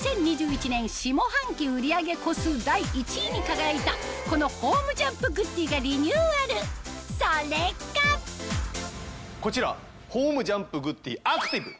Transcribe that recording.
２０２１年下半期売り上げ個数第１位に輝いたこのホームジャンプグッデイがリニューアルそれがこちらホームジャンプグッデイアクティブ。